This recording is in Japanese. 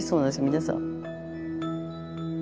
皆さん。